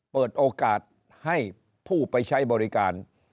เปิดโอกาสให้ผู้ไปใช้บริการ